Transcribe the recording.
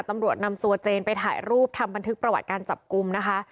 ตำรวจนำตัวเจนไปถ่ายรูปทำบันทึกประวัติการจับกลุ่มนะคะ